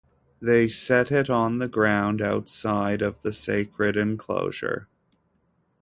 They set it on the ground outside of the sacred enclosure.